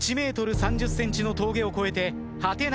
１ｍ３０ｃｍの峠を越えて果て